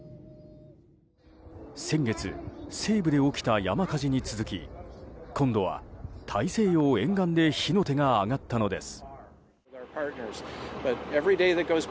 先月、西部で起きた山火事に続き今度は大西洋沿岸で火の手が上がったのです。